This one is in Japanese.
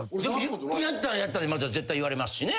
やったらやったでまた絶対言われますしね。